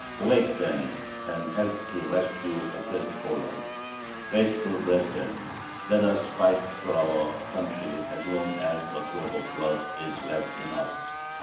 Awake then, and help to rescue oppressed Poland. Faithful brethren, let us fight for our country as long as a drop of blood is left in us!